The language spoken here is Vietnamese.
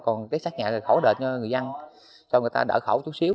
còn cái xác nhạc là khổ đền cho người dân cho người ta đỡ khổ chút xíu